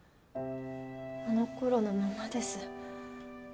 あの頃のままです。